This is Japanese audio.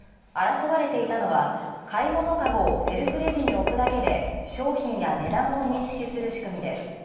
争われていたのは、買い物籠をセルフレジに置くだけで商品や値段を認識する仕組みです。